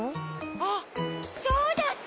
あっそうだった！